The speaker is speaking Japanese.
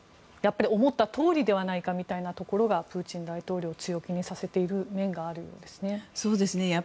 思ったとおりではないかみたいなところがプーチン大統領を強気にさせている面があるんですね。